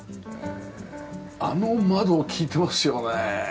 あの窓利いてますよね。